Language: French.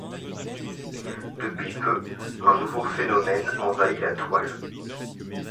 Depuis peu, un nouveau phénomène envahit la toile.